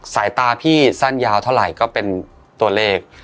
สายตาพี่สั้นยาวเท่าไหร่ก็เป็นตัวเลข